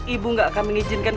ibu gak akan mengizinkan